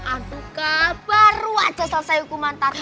aduh kak baru aja selesai hukuman tadi